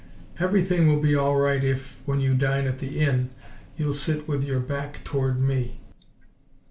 "Everything will be all right if, when you dine at the inn, you'll sit with your back toward me."